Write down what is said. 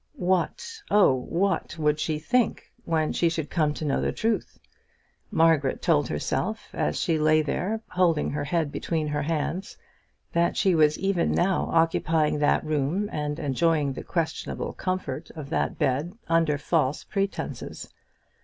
What, oh, what would she think when she should come to know the truth? Margaret told herself as she lay there, holding her head between her hands, that she was even now occupying that room and enjoying the questionable comfort of that bed under false pretences.